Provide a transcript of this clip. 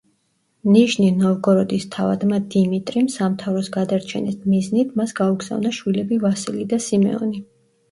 ნიჟნი-ნოვგოროდის თავადმა დიმიტრიმ სამთავროს გადარჩენის მიზნით მას გაუგზავნა შვილები ვასილი და სიმეონი.